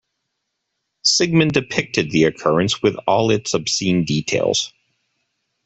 Sigmund depicted the occurrence with all its obscene details.